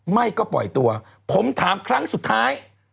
ไม่ก็ปล่อยตัวผมถามครั้งสุดท้าย